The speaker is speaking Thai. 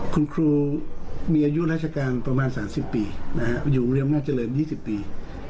คุณครูมีอายุราชการประมาณ๓๐ปีอยู่เมืองอำนาจเจริญ๒๐ปี